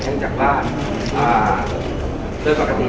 พวกมันจัดสินค้าที่๑๙นาที